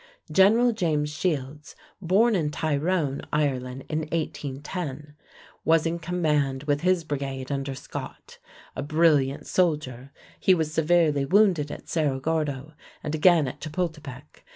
General James Shields, born in Tyrone, Ireland, in 1810, was in command with his brigade under Scott. A brilliant soldier, he was severely wounded at Cerro Gordo and again at Chapultepec.